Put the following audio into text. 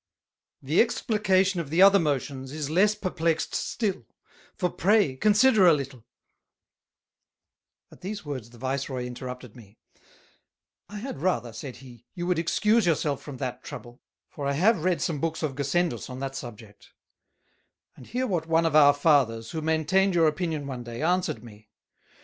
"The Explication of the other Motions is less perplexed still; for pray, consider a little" At these words the Vice Roy interrupted me: "I had rather," said he, "you would excuse your self from that trouble; for I have read some Books of Gassendus on that subject: And hear what one of our Fathers, who maintained your Opinion one day, answered me.